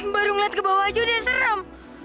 baru ngeliat ke bawah aja udah seram